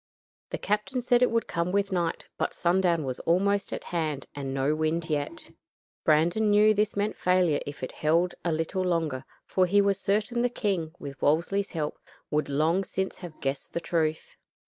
The captain said it would come with night, but sundown was almost at hand and no wind yet. Brandon knew this meant failure if it held a little longer, for he was certain the king, with Wolsey's help, would long since have guessed the truth.